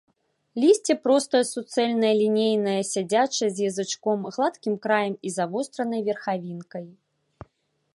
Лісце простае, суцэльнае, лінейнае, сядзячае, з язычком, гладкім краем і завостранай верхавінкай.